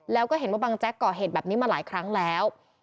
แล้วก็เห็นว่าบังแจ๊กก่อเหตุแบบนี้มาหลายครั้งแล้ว